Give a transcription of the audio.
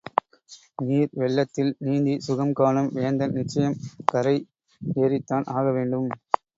நீர் வெள்ளத்தில் நீந்திச் சுகம் காணும் வேந்தன் நிச்சயம் கரை ஏறித்தான் ஆகவேண்டும்.